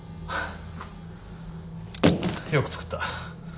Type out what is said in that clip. よく造った。